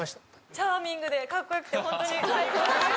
チャーミングでかっこよくてホントに最高です。